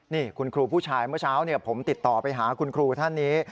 นี่คุณครูผู้ชายเมื่อเช้าผมติดต่อไปหาคุณครูท่านนี้